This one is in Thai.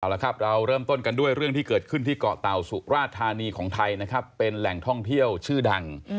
เอาละครับเราเริ่มต้นกันด้วยเรื่องที่เกิดขึ้นที่เกาะเต่าสุราธานีของไทยนะครับเป็นแหล่งท่องเที่ยวชื่อดัง